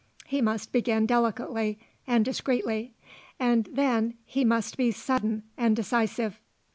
He must begin delicately and discreetly, and then he must be sudden and decisive.